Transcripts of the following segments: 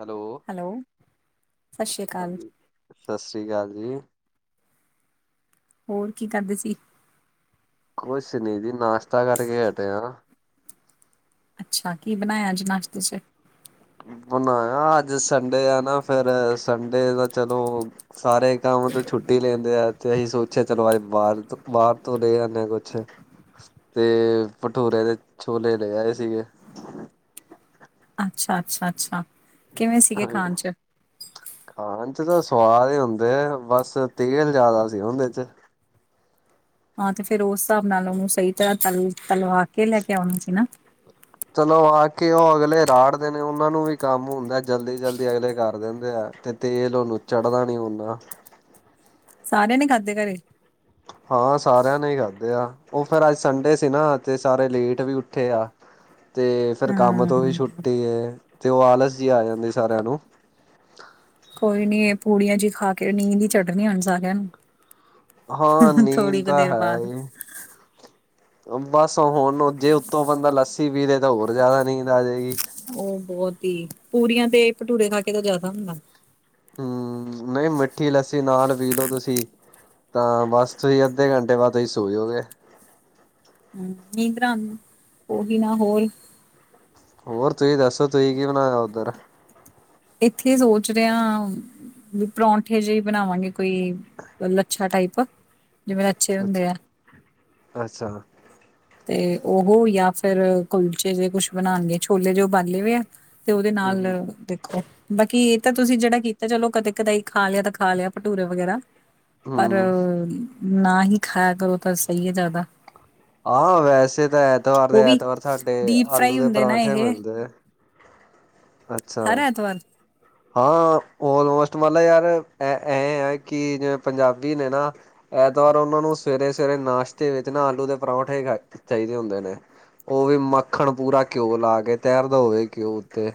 Hello hello, ਸਤਿ ਸ੍ਰੀ ਅਕਾਲ। ਹਾਂਜੀ ਸਤਿ ਸ੍ਰੀ ਅਕਾਲ ਜੀ। ਹੋਰ ਕੀ ਕਰਦੇ ਸੀ। ਕੁਛ ਨੀ ਜੀ ਨਾਸ਼ਤਾ ਕਰਕੇ ਹਟੇ ਆਂ। ਅੱਛਾ ਕੀ ਬਣਾਇਆ ਅੱਜ ਨਾਸ਼ਤੇ 'ਚ ਬਣਾਇਆ ਅੱਜ ਸੰਡੇ ਆ ਨਾ ਫਿਰ ਸੰਡੇ ਦਾ ਚਲੋ। ਸਾਰੇ ਕੰਮ ਤੋਂ ਛੁੱਟੀ ਲੈਂਦੇ ਆ ਤੇ ਅਸੀਂ ਸੋਚਿਆ ਚਲੋ ਅੱਜ ਬਾਰ ਤੋਂ ਬਾਰ ਤੋਂ ਲੈ ਆਣੇ ਕੁਛ ਤੇ ਭਠੂਰੇ ਦੇ ਛੋਲੇ ਲੈ ਆਏ ਸੀਗੇ। ਅੱਛਾ-ਅੱਛਾ-ਅੱਛਾ ਹਾਂਜੀ ਖਾਣ 'ਚ ਤਾਂ ਸਵਾਦ ਹੀ ਹੁੰਦੇ ਆ ਬਸ ਤੇਲ ਜਾਦਾ ਸੀ ਉਹਦੇ 'ਚ ਹਾਂ ਤੇ ਫਿਰ ਉਸ ਹਿਸਾਬ ਨਾਲ ਉਹਨੂੰ ਸਈ ਤਰ੍ਹਾਂ ਤਲ ਤਲਵਾ ਕੇ ਲੈ ਕੇ ਆਉਣ ਸੀ ਨਾ। ਚਲੋ ਆ ਕੇ ਓ ਅਗਲੇ ਰਾੜਦੇ ਨੇ ਉਹਨਾਂ ਨੂੰ ਵੀ ਕੰਮ ਹੁੰਦਾ ਜਲਦੀ-ਜਲਦੀ ਅਗਲੇ ਕਰ ਦਿੰਦੇ ਆ ਤੇ ਤੇਲ ਓ ਨੂਚੜ੍ਹਦਾ ਨੀ ਹੁੰਦਾ। ਸਾਰਿਆਂ ਨੇ ਖਾਧੇ ਘਰੇ ਹਾਂ ਸਾਰਿਆਂ ਨੇ ਈ ਖਾਧੇ ਆ ਓ ਫਿਰ ਅੱਜ ਸੰਡੇ ਸੀ ਨਾ ਤੇ ਸਾਰੇ ਲੇਟ ਵੀ ਉੱਠੇ ਆ। ਤੇ ਫਿਰ ਕੰਮ ਤੋਂ ਵੀ ਹੂੰ, ਛੁੱਟੀ ਏ ਓ ਆਲਸ ਜੀ ਆ ਜਾਂਦੇ ਸਾਰਿਆਂ ਨੂੰ ਕੋਈ ਨੀ ਏ ਪੂੜੀਆਂ ਜਿਹੀ ਖਾ ਕੇ ਨੀਂਦ ਈ ਚੜਣੀ ਹੁਣ ਸਾਰਿਆਂ ਨੂੰ ਹਾਂ ਥੋੜ੍ਹੀ ਨੀਂਦ ਕੁ ਤਾਂ ਦੇਰ ਹੈ ਬਾਅਦ। ਹੀ ਬਸ ਹੁਣ ਜੇ ਉੱਤੋਂ ਬੰਦਾ ਲੱਸੀ ਪੀ ਲੇ ਤਾਂ ਹੋਰ ਜਾਦਾ ਨੀਂਦ ਆਜੇਗੀ। ਓ ਬੋਤ ਈ ਪੂਰੀਆਂ ਤੇ ਭਟੂਰੇ ਖਾ ਕੇ ਤਾਂ ਜਾਦਾ ਹੁੰਦਾ। ਹੂੰ ਨਈ ਮਿੱਠੀ ਲੱਸੀ ਨਾਲ ਪੀ ਲੋੋ ਤੁਸੀਂ ਤਾਂ ਬਸ ਤੁਸੀਂ ਅੱਧੇ ਘੰਟੇ ਬਾਦ ਤੁਸੀਂ ਸੋ ਜਓਗੇ। ਹੂੰ ਨੀਂਦਰਾ ਉਹੀ ਨਾ ਹੋਰ ਹੋਰ ਤੁਸੀਂ ਦੱਸੋ ਤੁਸੀਂ ਕੀ ਬਣਾਇਆ ਉੱਧਰ ਇੱਥੇ ਸੋਚ ਰਿਆਂ। ਵੀ ਪਰੌਂਠੇ ਜਿਹੇ ਬਣਾਵਾਂਗੇ ਕੋਈ ਲੱਛਾ ਟਾਈਪ ਜਿਵੇਂ ਅੱਛੇ ਹੁੰਦੇ ਅੱਛਾ ਆ। ਅੱਛਾ ਤੇ ਓ ਜਾਂ ਫਿਰ ਕੁਲਚੇ ਜਿਹੇ ਕੁੱਛ ਬਣਾਣਗੇ ਛੋਲੇ ਜੋ ਉਬਾਲੇ ਆ। ਤੇ ਉਹਦੇ ਨਾਲ ਹੂੰ ਦੇ ਬਾਕੀ ਇਹ ਤਾਂ ਤੁਸੀਂ ਜੇੜਾ ਕੀਤਾ ਚਲੋ ਕਦੇ ਕਦੇਈ ਖਾ ਲਿਆ ਤਾਂ ਖਾ ਲਿਆ ਭਟੂਰੇ ਵਗੈਰਾ ਪਰ ਹੂੰ। ਨਾ ਹੀ ਖਾਇਆ ਕਰੋ ਤਾਂ ਸਈ ਹੈ ਜਾਦਾ ਆਹ ਵੈਸੇ ਤਾਂ ਐਤਵਾਰ ਦੇ ਐਤਵਾਰ ਸਾਡੇ ਡੀਪ ਫਰਾਈ ਆਲੂ ਦੇ ਹੁੰਦੇ ਨਾ ਪਰਾਂਠੇ ਇਹ ਮਿਲਦੇ। ਅੱਛਾ ਹਰ ਐਤਵਾਰ ਹਾਂ, ਆਲਮੋਸਟ ਮਤਲਬ ਯਾਰ ਇਹ, ਇਹ ਆ ਕਿ ਜਿਵੇਂ ਪੰਜਾਬੀ ਨੇ ਨਾ ਐਤਵਾਰ ਉਹਨਾਂ ਨੂੰ ਸਵੇਰੇ-ਸਵੇਰੇ ਨਾਸ਼ਤੇ ਵਿੱਚ ਨਾ ਆਲੂ ਦੇ ਪਰੌਂਠੇ ਖਾ ਚਾਹੀਦੇ ਹੁੰਦੇ ਨੇ। ਉਹ ਵੀ ਮੱਖਣ ਪੂਰਾ ਘਿਓ ਲਾ ਕੇ ਤੈਰਦਾ ਹੋਵੇ ਘਿਓ ਉੱਤੇ।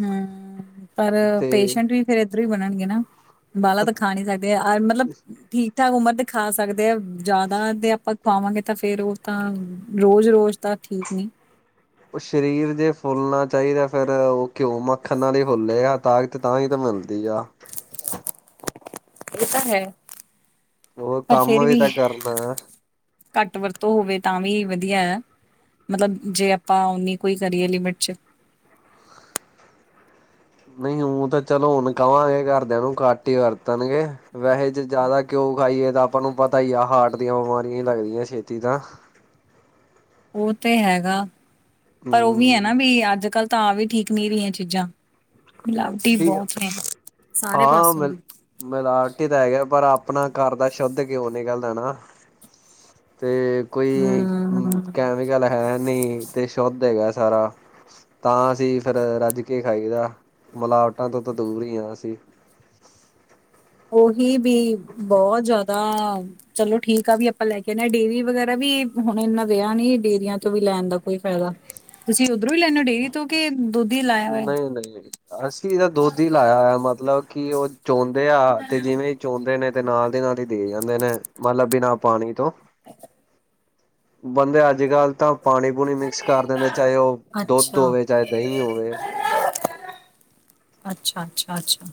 ਹੂੰ ਪਰ ਤੇ ਪੇਸ਼ੈਂਟ ਵੀ ਫੇਰ ਇੱਧਰੋਂ ਹੀ ਬਣਨਗੇ ਨਾ। ਬਾਲਾ ਅ ਤਾਂ ਖਾ ਨੀ ਸਕਦੇ ਆ ਮਤਲਬ ਠੀਕ-ਠਾਕ ਉਮਰ ਦੇ ਖਾ ਸਕਦੇ ਆ ਜ਼ਿਆਦਾ ਦੇ ਆਪਾਂ ਖਾਵਾਂਗੇ ਤਾਂ ਫੇਰ ਉਹ ਤਾਂ ਰੋਜ਼-ਰੋਜ਼ ਤਾਂ ਠੀਕ ਨਹੀਂ। ਉਹ ਸਰੀਰ ਜੇ ਫੁੱਲਣਾ ਚਾਹੀਦਾ ਫੇਰ ਉਹ ਘਿਓ, ਮੱਖਣ ਨਾਲ ਹੀ ਫੁੱਲੇਗਾ ਤਾ ਤੇ ਤਾਂ ਹੀ ਤਾਂ ਮਿਲਦੀ ਆ। ਇਹ ਤਾਂ ਹੈ। ਉਹ ਪਰ ਕੰਮ ਫੇਰ ਵੀ ਤਾਂ ਕਰਨਾ। ਘੱਟ ਵਰਤੋਂ ਹੋਵੇ ਤਾਂ ਵੀ ਵਧੀਆ ਹੈ। ਮਤਲਬ ਜੇ ਆਪਾਂ ਓਨੀ ਕੋਈ ਕਰੀਏ ਲਿਮਿਟ ਚ। ਨਹੀਂ ਉਹ ਤਾਂ ਚਲੋ ਹੁਣ ਕਵਾਂਗੇ ਘਰਦਿਆਂ ਨੂੰ ਘਟ ਹੀ ਵਰਤਣਗੇ। ਵੈਸੇ ਜੇ ਜ਼ਿਆਦਾ ਘਿਉ ਖਾਈਏ ਤਾਂ ਆਪਾਂ ਨੂੰ ਪਤਾ ਹੀ ਆ ਹਾਰਟ ਦੀਆਂ ਬਿਮਾਰੀਆਂ ਹੀ ਲੱਗਦੀਆਂ ਛੇਤੀ ਤਾਂ। ਉਹ ਤੇ ਹੈਗਾ, ਪਰ ਉਹ ਵੀ ਹੈਨਾ ਹੂੰ ਬੀ ਅੱਜ-ਕੱਲ ਤਾ ਵੀ ਠੀਕ ਨਹੀਂ ਰਹੀਆਂ ਚੀਜ਼ਾਂ, ਮਿਲਾਵਟੀ ਠੀਕ ਬਹੁਤ ਨੇ ਸਾਰੇ ਪਾਸੋਂ ਦੀ। ਮੈਲੋਰਟੀ ਤਾਂ ਹੈਗਾ ਪਰ ਆਪਣਾ ਘਰ ਦਾ ਸ਼ੁਧ ਘੋਹ ਨਿਕਲਦਾ ਹੈਨਾ। ਤੇ ਕੋਈ ਹੂੰ। ਕੈਮੀਕਲ ਹੈ ਨਹੀਂ ਤੇ ਸ਼ੁੱਧ ਹੈਗਾ ਸਾਰਾ। ਤਾਂ ਅਸੀਂ ਫੇਰ ਰੱਜ ਕੇ ਖਾਈ ਦਾ ਮਿਲਾਵਟਾਂ ਤੋਂ ਤਾਂ ਦੂਰ ਹੀ ਆ ਅਸੀ। ਉਹੀ ਵੀ ਬਹੁਤ ਜ਼ਿਆਦਾ ਚਲੋ ਠੀਕ ਆ, ਵੀ ਆਪਾਂ ਲੈ ਕੇ ਨੀ ਆਏ, ਡੇਅਰੀ ਵਗੈਰਾ ਵੀ ਹੁਣ ਇਨਾ ਰਿਹਾ ਨੀ ਡੇਅਰੀਆਂ ਤੋਂ ਵੀ ਲੈਣ ਦਾ ਕੋਈ ਫਾਇਦਾ। ਤੁਸੀਂ ਉਧਰੋਂ ਲੈਂਦੇ ਡੇਰੀ ਕਿਉਂਕਿ ਦੁੱਧ ਲੱ ਨਹੀਂ-ਨਹੀਂ, ਅਸੀਂ ਤਾਂ ਦੁੱਧ ਹੀ ਲਾਇਆ ਹੋਇਆ ਮਤਲਬ ਕਿ ਉਹ ਚੋਂਦੇ ਆ ਤੇ ਜਿਵੇਂ ਚੋਂਦੇ ਨੇ ਤੇ ਨਾਲ ਦੀ ਨਾਲ ਹੀ ਦੇ ਜਾਂਦੇ ਨੇ ਮਤਲਬ ਬਿਨਾਂ ਪਾਣੀ ਤੋਂ। ਅੱ [unintelligible] ਬੰਦੇ ਅੱਜ-ਕੱਲ੍ਹ ਤਾਂ ਪਾਣੀ-ਪੂਣੀ ਮਿਕਸ ਕਰ ਦਿੰਦੇ, ਚਾਹੇ ਉਹ ਦੁੱਧ ਅੱਛਾ ਹੋਵੇ, ਚਾਹੇ ਦਹੀਂ ਹੋਵੇ। ਅੱਛਾ-ਅੱਛਾ-ਅੱਛਾ।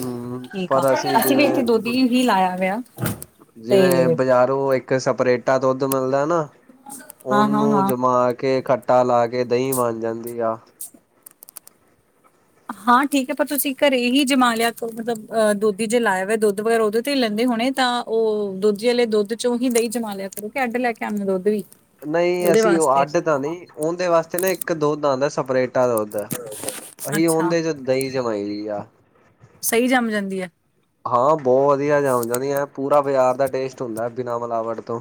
ਹਮ ਠੀਕ ਆ, ਪਰ ਅਸੀਂ ਵੀ ਇੱਥੇ ਜਿਵੇਂ ਦੁਧ ਹੀ ਲਾਇਆ ਹੋਆ ਤੇ ਉਹ ਇੱਕ ਸਪਰੇਟਾ ਦੁੱਧ ਮਿਲਦਾ ਨਾ ਹਾਂ ਹਾਂ ਉਹਨੂੰ ਹਾਂ ਜਮਾ ਕੇ ਖਟ ਖਟਾ ਲਾਕੇ ਦਹੀਂ ਬਣ ਜਾਂਦੀ ਆ। ਹਾਂ, ਠੀਕ ਹੈ ਪਰ ਤੁਸੀਂ ਘਰੇ ਹੀ ਜਮਾ ਲਿਆ ਮਤਲਬ ਅਹ ਦੁੱਧ ਜੇ ਲਾਇਆ ਹੋਵੇ ਦੁੱਧ ਵਗੈਰਾ ਉਹਦੇ ਤੇ ਹੀ ਲੈਂਦੇ ਹੋਣੇ ਤਾਂ ਉਹ ਦੁਜਿਆਂ ਦੁੱਧ ਵਾਲੇ ਦੁੱਧ ਚੋਂ ਹੀ ਦਹੀਂ ਜਮਾ ਲਿਆ ਕਰਿਰੋ ਕਿ ਅੱਡ ਲੈ ਕੇ ਆਉਂਦੇ ਹੋ ਦੁੱਧ ਵੀ ਨਹੀਂ, ਉਹਦੇ ਅਸੀਂ ਉਹ ਵਾਸਤੇ ਅੱਡ ਤਾਂ ਨਹੀਂ ਉਹਦੇ ਵਾਸਤੇ ਨਾ ਇੱਕ ਦੁਧ ਆਦਾ ਸਪਰੇ ਚਲ ਉਧਰ ਅਸੀਂ ਅੱਛਾ ਉਹਦੇ ਚ ਦਹੀਂ ਜਮਾਈ ਵੀਆ। ਸਹੀ ਜੰਮ ਜਾਂਦੀ ਹੈ। ਹਾਂ, ਬਹੁਤ ਵਧੀਆ ਜਮ ਜਾਂਦੀਆਂ ਪੂਰਾ ਬਾਜ਼ਾਰ ਦਾ ਟੇਸਟ ਹੁੰਦਾ ਬਿਨਾਂ ਮਿਲਾਵਟ ਤੋਂ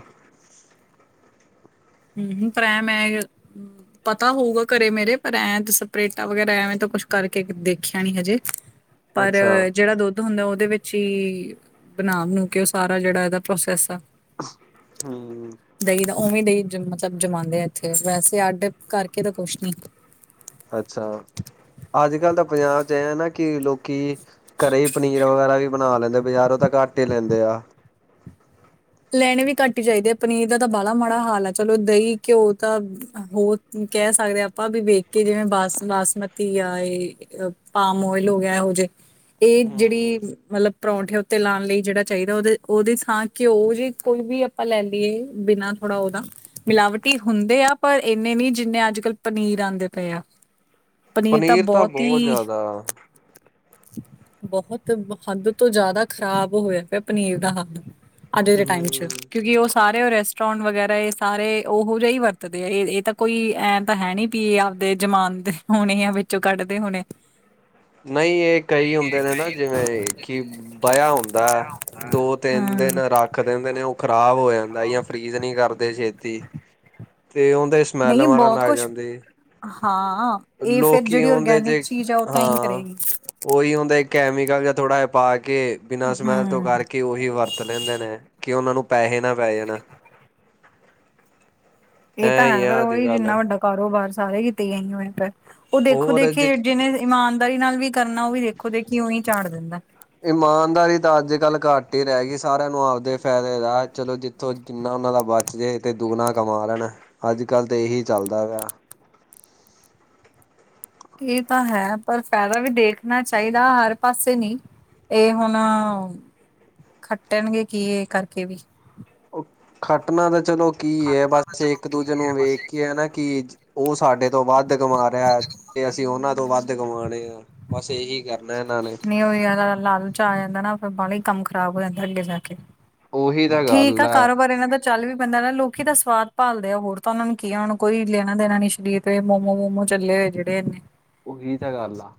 ਹੂੰ-ਹੂੰ, ਪ੍ਰੈਮਹੈ। ਪਤਾ ਹੋਊਗਾ ਘਰੇ ਮੇਰੇ ਪਰ ਐਂ ਸਪਰੇਟਾ ਵਗੈਰਾ ਐਵੇਂ ਤਾਂ ਕੁਛ ਕਰਕੇ ਦੇਖਿਆ ਨੀ ਹਜੇ। ਪਰ ਅੱਛਾ ਜਿਹੜਾ ਦੁੱਧ ਹੁੰਦਾ ਉਹਦੇ ਵਿੱਚ ਹੀ ਬਣਾ-ਬਨੂੰ ਕੇ ਉਹ ਸਾਰਾ ਜਿਹੜਾ ਇਹਦਾ ਪ੍ਰੋਸੈਸ ਆ। ਹੂੰ। ਦਹੀਂ ਦਾ ਉਵੇਂ ਦਹੀਂ ਮਤਲਬ ਜਮਾਦੇ ਆ ਇੱਥੇ ਵੈਸੇ ਅੱਡ ਕਰਕੇ ਤਾਂ ਕੁਛ ਨੀ। ਅੱਛਾ, ਅੱਜਕੱਲ੍ਹ ਤਾਂ ਪੰਜਾਬ 'ਚ ਐ ਆ ਨਾ ਕਿ ਲੋਕੀ ਘਰੇ ਪਨੀਰ ਵਗੈਰਾ ਵੀ ਬਣਾ ਲੈਂਦੇ ਬਜ਼ਾਰੋਂ ਤਾਂ ਘੱਟ ਹੀ ਲੈਂਦੇ ਆ। ਲੈਣੇ ਵੀ ਘੱਟ ਹੀ ਚਾਹੀਦੇ ਪਨੀਰ ਦਾ ਤਾਂ ਬਾਲਾ ਮਾੜਾ ਹਾਲ ਆ ਚਲੋ ਦਹੀਂ ਘਿਓ ਤਾਂ ਹੋਰ ਕਹਿ ਸਕਦੇ ਆ ਆਪਾਂ ਵੀ ਵੇਖ ਕੇ ਜਿਵੇਂ ਬਾਸ ਬਾਸਮਤੀ ਆ ਇਹ ਅ ਪਾਮ ਓਇਲ ਹੋ ਗਿਆ ਇਹੋ ਜੇ। ਇਹ ਹੂੰ ਜਿਹੜੀ ਮਤਲਬ ਪਰੌਂਠੇ ਉੱਤੇ ਲਾਉਣ ਲਈ ਜਿਹੜਾ ਚਾਹੀਦਾ ਉਹਦੇ ਉਹਦੇ ਥਾਂ ਘਿਓ ਜੇ ਕੋਈ ਵੀ ਆਪਾਂ ਲੈ ਲਈਏ ਬਿਨਾ ਥੋੜਾ ਉਹਦਾ ਮਿਲਾਵਟੀ ਹੁੰਦੇ ਆ ਪਰ ਇੰਨੇ ਨਹੀਂ ਜਿੰਨੇ ਅੱਜਕੱਲ੍ਹ ਪਨੀਰ ਆਂਦੇ ਪਏ ਆ। ਪਨੀਰ ਤਾਂ ਬੌਤ ਈ ਬਹੁਤ ਹੱਦ ਤੋਂ ਜ਼ਿਆਦਾ ਖ਼ਰਾਬ ਹੋਇਆ ਪਿਆ ਪਨੀਰ ਦਾ ਹਾਲ। ਅੱਜ ਦੇ ਟਾਈਮ ਚ ਹੂੰ ਕਿਉਂਕਿ ਉਹ ਸਾਰੇ ਉਹ ਰੈਸਟੋਰਾਂਟ ਵਗੈਰਾ ਇਹ ਸਾਰੇ ਉਹੋ ਜਾ ਈ ਵਰਤਦੇ ਆ ਇਹ ਇਹ ਤਾਂ ਕੋਈ ਐ ਤਾਂ ਹੈ ਨੀ ਵੀ ਉਹ ਆਵਦੇ ਜਮਾਦੇ ਹੋਣੇ ਆ ਵਿੱਚੋਂ ਕੱਢਦੇ ਹੋਣੇ। ਨਹੀਂ ਇਹ ਕਈ ਹੁੰਦੇ ਨੇ ਨਾ ਜਿਵੇਂ ਕਿ ਬਯਿਆ ਹੁੰਦਾ। ਦੋ-ਤਿੰਨ ਹਮ ਦਿਨ ਰਾ- ਰੱਖ ਦਿੰਦੇ ਨੇ ਉਹ ਖ਼ਰਾਬ ਹੋ ਜਾਂਦਾ ਜਾਂ ਫਰੀਜ਼ ਨੀ ਕਰਦੇ ਛੇਤੀ ਤੇ ਉਹਦੇ- ਸਮੈਲ ਨਹੀਂ ਮਾਰਨ ਬਹੁਤ ਲੱਗ ਕੁਛ ਜਾਂਦੀ, ਹਾਂ ਇਹ ਫਿਰ ਲੋਕ ਜਿਹੜੀ ਹੁੰਦੇ ਔਰਗੈਨਿਕ ਜੇ ਚੀਜ਼ ਆ ਉਹ ਤਾਂ ਹੀ ਹਾਂ, ਕਰੇਗੀ ਉਹੀ ਹੁੰਦਾ ਕੈਮੀਕਲ ਜਾਂ ਥੋੜ੍ਹਾ ਜਾ ਪਾ ਕੇ ਬਿਨਾਂ ਸਮੈਲ ਤੋਂ ਹਮ ਕਰਕੇ ਉਹੀ ਵਰਤ ਲੈਂਦੇ ਨੇ, ਕਿ ਉਹਨਾਂ ਨੂੰ ਪੈਹੇ ਨਾ ਪੈ ਜਾਣ। ਇਹ ਤਾਂ ਐ ਹੀ ਹੈ ਫਿਰ ਆ ਅੱਜ ਉਹੀ ਕੱਲ ਜਿੰਨਾ ਵੱਡਾ ਕਾਰੋਬਾਰ ਸਾਰੇ ਕੀਤੇ ਗਏ ਨਹੀਂ ਹੋਇਆ ਪਿਆ, ਉਹ ਹੋਰ ਜ ਦੇਖੋ-ਦੇਖੀ ਜਿਹਨੇ ਇਮਾਨਦਾਰੀ ਨਾਲ ਵੀ ਕਰਨਾ ਉਹ ਵੀ ਦੇਖੋ-ਦੇਖੀ ਉਂ ਈ ਝਾੜ ਦਿੰਦਾ। ਇਮਾਨਦਾਰੀ ਤਾਂ ਅੱਜਕੱਲ ਘੱਟ ਹੀ ਰਹਿ ਗਈ ਸਾਰਿਆਂ ਨੂੰ ਆਪਦੇ ਫਾਇਦੇ ਦਾ ਚਲੋ ਜ ਇਥੋਂ ਜਿੰਨਾ ਉਹਨਾਂ ਦਾ ਬਚ ਜੇ ਤੇ ਦੁਗਣਾ ਕਮਾ ਲੈਣ ਅੱਜਕੱਲ੍ਹ ਤਾਂ ਇਹੀ ਚੱਲਦਾ ਪਿਆ। ਇਹ ਤਾਂ ਹੈ ਪਰ ਫਾਇਦਾ ਵੀ ਦੇਖਣਾ ਚਾਹੀਦਾ ਹਰ ਪਾਸੇ ਨੀ। ਇਹ ਹੁਣ, ਖੱਟਣਗੇ ਕੀ ਇਹ ਕਰਕੇ ਵੀ। ਉਹ ਖੱਟਨਾ ਤਾਂ ਚਲੋ ਕੀ ਹੈ ਬਸ ਇੱਕ-ਦੂਜੇ ਨੂੰ ਵੇਖ ਕੇ ਐ ਨਾ ਕਿ ਉਹ ਸਾਡੇ ਤੋਂ ਵੱਧ ਕਮਾ ਰਿਹਾ ਤੇ ਅਸੀਂ ਉਹਨਾਂ ਤੋਂ ਵੱਧ ਕਮਾਣੇ ਆ ਬਸ ਇਹੀ ਜਰਨਾ ਨਾ। ਨਹੀਂ ਉਹ ਜਿਆਦਾ ਲਾਲਚ ਆ ਜਾਂਦਾ ਨਾ ਫਿਰ ਬਾਲਾ ਈ ਕੰਮ ਖ਼ਰਾਬ ਹੋ ਜਾਂਦਾ ਅੱਗੇ ਜਾ ਕੇ। ਉਹੀ ਤਾਂ ਠੀਕ ਗੱਲ ਆ, ਹੈ ਕਾਰੋਬਾਰ ਇਹਨਾਂ ਦਾ ਚੱਲ ਵੀ ਪੈਂਦਾ ਨਾ ਲੋਕੀ ਦਾ ਸਵਾਦ ਭਾਲਦੇ ਆ ਹੋਰ ਤਾਂ ਉਹਨਾਂ ਨੂੰ ਕੀ ਆ ਹੁਣ ਕੋਈ ਲੈਣਾ ਦੇਣਾ ਨੀ ਸਰੀਰ ਤੇ ਮੋਮੋ ਮੋਮੂ ਚੱਲੇ ਹੋਏ ਜਿਹੜੇ ਇਹਨੇ। ਉਹੀ ਤਾਂ ਗੱਲ ਆ।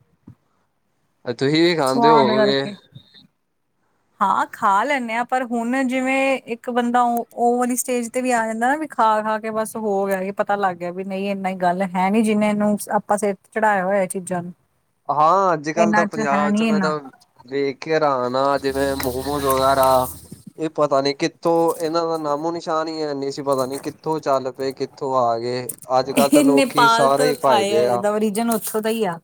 ਤੁਸੀਂ ਵੀ ਖਾਂਦੇ ਸਵਾਦ ਹੋਵੇਗੇ। ਕਰਕੇ ਹਾਂ ਖਾ ਲੈਂਨੇ ਆ। ਪਰ ਹੁਣ ਜਿਵੇਂ ਇੱਕ ਬੰਦਾ ਉਹ ਉਹ ਵਾਲੀ ਸਟੇਜ ਤੇ ਵੀ ਆ ਜਾਂਦਾ ਨਾ ਵੀ ਖਾ-ਖਾ ਕੇ ਬਸ ਹੋ ਗਿਆ ਕਿ ਪਤਾ ਲੱਗ ਗਿਆ ਵੀ ਨਹੀਂ ਇੰਨਾ ਹੀ ਗੱਲ ਹੈ ਨੀ ਜਿਹਨੇ ਇਹਨੂੰ ਆਪਾਂ ਸਿਰ ਤੇ ਚੜ੍ਹਾਇਆ ਹੋਇਆ ਇਹ ਚੀਜ਼ਾਂ ਨੂੰ। ਹਾਂ ਅੱਜਕੱਲ੍ਹ ਇਹਨਾਂ ਤਾਂ ਹੈ ਪੰਜਾਬ 'ਚ ਨੀ ਮੈਂ ਇੰਨਾ ਤਾਂ ਵੇਖ ਕੇ ਹਰਾਨ ਆ ਜਿਵੇਂ ਮੋਮੋਸ ਵਗੈਰਾ, ਇਹ ਪਤਾ ਨੀ ਕਿ ਕਿੱਥੋ ਇਹਨਾਂ ਦਾ ਨਾਮੋ ਨਿਸ਼ਾਨ ਈ ਹੈਨੀ ਸੀ, ਪਤਾ ਨੀ ਕਿੱਥੋਂ ਚੱਲ ਪਏ ਕਿੱਥੋਂ ਆ ਗੇ। ਇਹ ਨੇਪਾਲ ਤੋਂ ਆਏ ਆ ਇਹਦਾ ਉਰੀਜਨ ਉੱਥੋਂ ਦਾ ਹੀ ਆ।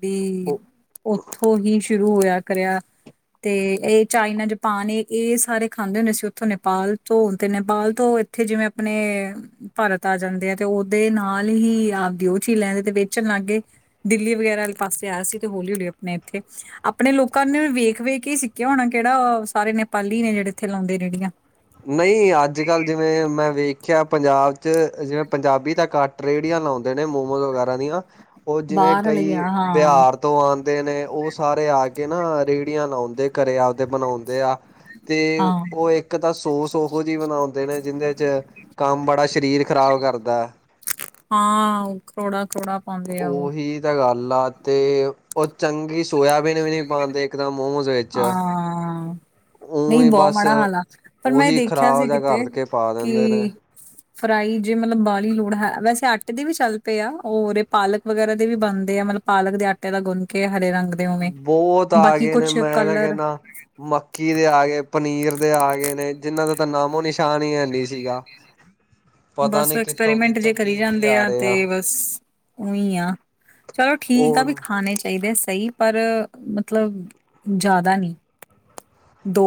ਵੀ, ਉਹ ਉੱਥੋਂ ਹੀ ਸ਼ੁਰੂ ਹੋਇਆ ਕਰਿਆ। ਤੇ ਇਹ ਚਾਈਨਾ ਜਪਾਨ ਇਹ ਇਹ ਸਾਰੇ ਖਾਂਦੇ ਹੁੰਦੇ ਸੀ ਉੱਥੋਂ ਨੇਪਾਲ ਤੋਂ ਤੇ ਨੇਪਾਲ ਤੋਂ ਇੱਥੇ ਜਿਵੇਂ ਆਪਣੇ ਭਾਰਤ ਆ ਜਾਂਦੇ ਆ ਤੇ ਉਹਦੇ ਨਾਲ ਹੀ ਆਪਦੀ ਉਹ ਚੀ ਲੈਂ ਆਦੇ ਤੇ ਵੇਚਣ ਲੱਗ ਗੇ। ਦਿੱਲੀ ਵਗੈਰਾ ਵਾਲੇ ਪਾਸੇ ਆਇਆ ਸੀ ਤੇ ਹੌਲੀ-ਹੌਲੀ ਆਪਣੇ ਇੱਥੇ ਆਪਣੇ ਲੋਕਾਂ ਨੂੰ ਵੇਖ-ਵੇਖ ਹੀ ਸਿ ਖੀਆ ਹੋਣਾ ਕੇੜਾ ਓ ਸਾਰੇ ਨੇਪਾਲੀ ਨੇ ਜੇੜੇ ਇੱਥੇ ਲਾਉਂਦੇ ਰੇਹੜੀਆਂ ਨਈ ਅੱਜ ਕੱਲ੍ਹ ਜਿਵੇਂ ਮੈਂ ਵੇਖਿਆ ਪੰਜਾਬ 'ਚ ਜਿਵੇਂ ਪੰਜਾਬੀ ਤਾਂ ਘੱਟ ਰੇੜੀਆਂ ਲਾਉਂਦੇ ਨੇ ਮੋਮੋਜ਼ ਵਗੈਰਾ ਦੀਆਂ ਓ ਜਿਵੇਂ ਬਾਹਰ ਵਾਲੇ ਕਈ ਆ ਹਾਂ ਬਿਹਾਰ ਤੋਂ ਆਉਂਦੇ ਨੇ ਓ ਸਾਰੇ ਆ ਕੇ ਨਾ ਰੇਹੜੀਆਂ ਲਾਉਂਦੇ ਘਰੇ ਆਪਦੇ ਬਣਾਉਂਦੇ ਆ। ਤੇ ਹਾਂ ਓ ਇੱਕ ਤਾਂ ਸੋਸ ਉਹੋ ਜੀ ਬਣਾਉਂਦੇ ਨੇ ਜਿੰਦੇ 'ਚ ਕੰਮ ਬੜਾ ਸਰੀਰ ਖਰਾਬ ਕਰਦਾ। ਹਾਂ ਕੋੜਾ-ਕੋੜਾ ਉਹੀ ਤਾਂ ਗੱਲ ਆ ਤੇ ਓ ਚੰਗੀ ਸ ਸੋਇਆਬੀਨ ਵੀ ਨਈ ਪਾਂਦੇ ਇੱਕ ਤਾ ਮੋਮੋਸ ਵਿੱਚ ਹਾਂ ਉ ਨਈ ਹੀ ਬੋਹ ਬਸ ਮਾੜਾ ਹਾਲ ਆ ਪਰ ਮੈਂ ਉਹੀ ਦੇਖਿਆ ਖ਼ਰਾਬ ਸੀ ਜਿਹਾ ਕਿਤੇ ਕਰਕੇ ਪਾ ਦਿੰਦੇ ਨੇ ਕਿ ਫਰਾਈ ਜੇ ਮਤਲਬ ਬਾਲੀ ਲੋੜ ਹੈ ਵੈਸੇ ਆਟੇ ਦੀ ਵੀ ਚੱਲ ਪਏ ਆ ਔਰ ਇਹ ਪਾਲਕ ਵਗੈਰਾ ਦੇ ਵੀ ਬਣਦੇ ਆ ਮਤਲਬ ਪਾਲਕ ਦੇ ਆਟੇ ਦਾ ਗੁੰਨ ਕੇ ਹਰੇ ਰੰਗ ਦੇ ਉਵੇਂ ਬੋਤ ਆ ਬਾਕੀ ਗਏ ਨੇ ਕੁਛ ਮੈਂ ਤਾ ਕਲਰ ਕੈਨਾ ਮੱਕੀ ਦੇ ਆ ਗੇ ਪਨੀਰ ਦੇ ਆ ਗਏ ਨੇ ਜਿਨਾਂ ਦਾ ਤਾਂ ਨਾਮੋ ਨਿਸ਼ਾਨ ਹੀ ਹੈ ਨੀ ਸੀਗਾ। ਇਜੀ ਪਤਾ ਬਸ ਨੀ ਕਿੱਥੋਂ ਐਕਸਪੈਰੀਮੈਂਟ ਜੇ ਕਿੱਥੋਂ ਕਰੀ ਕੀ ਕੀ ਜਾਂਦੇ ਆ ਤੇ ਰਿਹਾ ਬਸ ਉਈ ਆਂ। ਚਲੋਂ ਠੀਕ ਆ ਵੀ ਹੋਰ ਖਾਣੇ ਚਾਹੀਦੇ ਆ ਸਈ ਪਰ ਮਤਲਬ ਜਾਦਾ ਨੀ।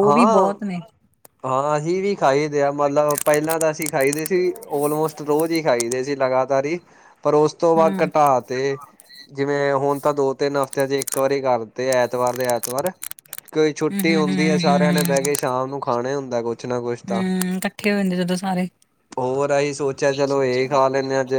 ਹਾਂ-ਹਾਂ ਅਹੀ ਵੀ ਖਾਈਦੇ ਏ ਆ ਮਤਲਬ ਪੈਲਾਂ ਤਾਂ ਅਸੀਂ ਖਾਈਦੇ ਸੀ ਉਲਮੋਸਟ ਰੋਜ਼ ਹੀ ਖਾਈ ਦੇ ਸੀ ਲਗਾਤਾਰ ਈ ਪਰ ਉਸ ਤੋਂ ਬਾਦ ਹਮ ਘਟਾ ਤੇ ਜਿਵੇਂ ਹੁਣ ਤਾਂ ਦੋ ਤਿੰਨ ਹਫ਼ਤਿਆਂ 'ਚ ਇੱਕ ਵਾਰੀ ਕਰਤੇ ਐਤਵਾਰ ਦੇ ਐਤਵਾਰ ਕੋਈ ਹਮ ਛੁੱਟੀ ਹਮ ਹੁੰਦੀ ਐ ਹਮ ਸਾਰਿਆਂ ਹਮ ਨੇ ਬਹਿ ਹਮ ਕੇ ਸ਼ਾਮ ਨੂੰ ਖਾਣਾ ਹੀ ਹੁੰਦਾ ਕੁਛ ਨਾ ਕੁਛ ਤਾਂ ਹੂੰ ਕੱਠੇ ਹੋ ਜਾਂਦੇ ਜਦੋਂ ਸਾਰੇ ਹੋਰ ਅਹੀਂ ਸੋਚਿਆ ਚਲੋਂ ਇਹ ਖਾ ਲੈਂਨੇ ਆ ਅੱਜ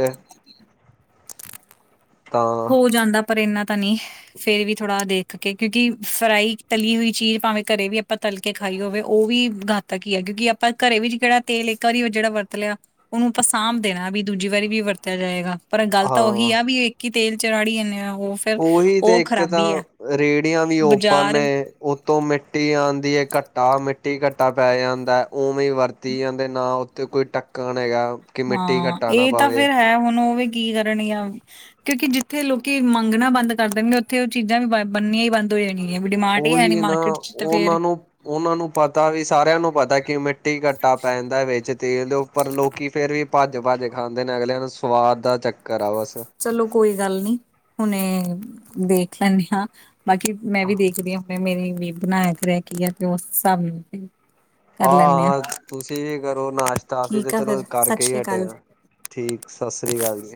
ਤਾਂ ਹੋ ਜਾਂਦਾ ਪਰ ਇੰਨਾ ਤਾਂ ਨੀ। ਫੇਰ ਵੀ ਥੋੜਾ ਦੇਖ ਕੇ ਕਿਉਂਕਿ ਫਰਾਈ ਤਲੀ ਹੋਈ ਚੀਜ਼ ਭਾਵੇਂ ਘਰੇ ਵੀ ਆਪਾਂ ਤ ਕੇ ਖਾਈ ਹੋਵੇ ਓ ਵੀ ਘਾਤਕ ਈ ਐ, ਕਿਉਂਕਿ ਆਪਾਂ ਘਰੇ ਵਿੱਚ ਕੇੜਾ ਤੇਲ ਇੱਕ ਆਰੀ ਜੇੜਾ ਵਰਤ ਲਿਆ। ਉਹਨੂੰ ਆਪਾਂ ਸਾਂਭ ਦੇਣਾ ਵੀ ਦੂਜੀ ਵਾਰੀ ਵੀ ਵਰਤਿਆ ਜਾਏਗਾ। ਪਰ ਗੱਲ ਤਾਂ ਉਹੀ ਹਾਂ ਆ ਵੀ ਇਕ ਈ ਤੇਲ 'ਚ ਰਾੜੀ ਜਾਂਨੇ ਆ ਓ ਉਹੀ ਤੇ ਇੱਕ ਤਾਂ ਰੇਹੜੀਆਂ ਵੀ ਓਪਨ ਬਾਜ਼ਾਰ ਨੇ। ਉਤੋਂ ਮਿੱਟੀ ਆਂਦੀ ਏ ਘਟਾ ਮਿੱਟੀ ਘਟਾ ਪੈ ਜਾਂਦਾ ਐ। ਉਵੇਂ ਵਰਤੀ ਜਾਂਦੇ ਨਾ ਉੱਥੇ ਕੋਈ ਢੱਕਣ ਹੈਗਾ। ਕਿ ਮਿੱਟੀ ਹਾਂ ਘੱਟਾ ਨਾ ਇਹ ਤਾ ਪਾਵੇ ਫਿਰ ਹੈ ਹੁਣ ਓ ਵੀ ਕੀ ਕਰਨੀਆ ਕਿਉਂਕਿ ਜਿੱਥੇ ਲੋਕੀ ਮੰਗਣਾ ਬੰਦ ਕਰ ਦੇਂਗੇ ਉੱਥੇ ਓ ਚੀਜ਼ਾਂ ਵੀ ਬ ਬਨਨੀਆਂ ਈ ਬੰਦ ਹੋ ਜਾਣੀ ਹੈ ਵੀ ਡਿਮਾਂਡ ਹੀ ਹੈ ਨੀ ਉਹੀ ਨਾ ਮਾਰਕੀਟ 'ਚ ਤਾਂ ਫੇਰ ਉਹਨਾਂ ਨੂੰ ਉਹਨਾਂ ਨੂੰ ਪਤਾ ਵੀ ਸਾਰਿਆਂ ਨੂੰ ਪਤਾ ਕਿ ਮਿੱਟੀ ਘੱਟਾ ਪੈਂਦਾ ਵਿੱਚ ਤੇਲ ਦੇ ਉੱਪਰ ਲੋਕ ਕਿ ਫਿਰ ਵੀ ਭੱਜ ਭੱਜ ਖਾਂਦੇ ਨੇ ਅਗਲਿਆਂ ਨੂੰ ਸਵਾਦ ਦਾ ਚੱਕਰ ਆ ਬਸ ਚਲੋ ਕੋਈ ਗੱਲ ਨੀ ਹੁਣੇ ਦੇਖ ਲੈਂਣੇ ਆਂ ਬਾਕੀ ਮੈਂ ਵੀ ਦੇਖਦੀ ਹਾਂ। ਮੇਰੀ ਵੀ ਬਣਾਇਆ ਤੇ ਰਹਿ ਕੇ ਆ ਤੇ ਉਸ ਹਿਸਾਬ ਨਾਲ ਕਰ ਲੈਂਦੇ ਹਾਂ ਆਹ ਤੁਸੀਂ ਵੀ ਕਰੋ ਨਾਸ਼ਤਾ ਅਸੀ ਤਾ ਠੀਕ ਆ ਫਿਰ ਚਲੋ ਸਤਿ ਕਰਕੇ ਈ ਸ੍ਰੀ ਹਟੇ ਅਕਾਲ ਹਾਂ। ਠੀਕ ਸਤਿ ਸ਼੍ਰੀ ਅਕਾਲ ਜੀ।